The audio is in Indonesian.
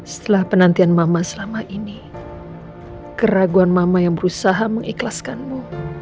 setelah penantian mama selama ini keraguan mama yang berusaha mengikhlaskanmu